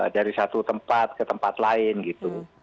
dari satu tempat ke tempat lain gitu